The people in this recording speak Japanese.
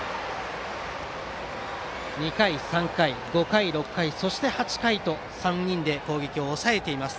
２回、３回、５回、６回そして８回と３人で攻撃を抑えています。